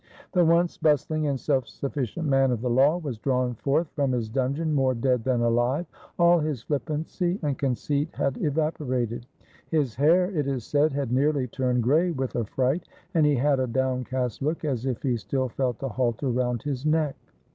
The once bustling and self sufficient man of the law was drawn forth from his dungeon more dead than alive. All his flippancy and conceit had evaporated ; his hair, it is said, had nearly turned gray with affright, and he had a downcast look, as if he still felt the halter round his neck.